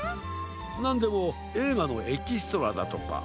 なんでもえいがのエキストラだとか。